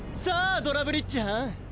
さあドラブリッジはん